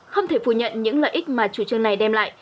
không thể phủ nhận những lợi ích mà chủ trương này đem lại